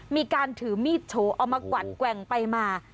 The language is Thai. มีการถือมีดโชว์เอามากวัดแกว่งไปมา